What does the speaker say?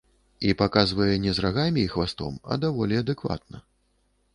І паказвае не з рагамі і хвастом, а даволі адэкватна.